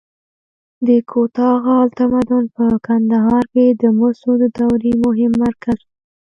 د کوتاه غال تمدن په کندهار کې د مسو د دورې مهم مرکز و